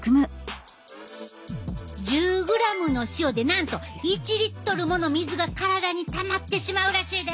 １０グラムの塩でなんと１リットルもの水が体にたまってしまうらしいで。